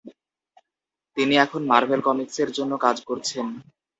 তিনি এখন মার্ভেল কমিক্সের জন্য কাজ করছেন।